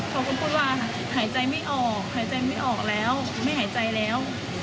เขาก็พูดว่าหายใจไม่ออกหายใจไม่ออกแล้วไม่หายใจแล้ว